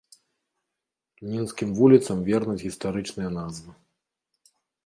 Мінскім вуліцам вернуць гістарычныя назвы.